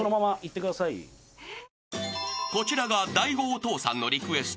［こちらが大悟お父さんのリクエスト］